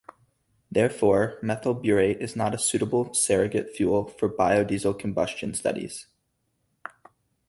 Therefore, methyl butyrate is not a suitable surrogate fuel for biodiesel combustion studies.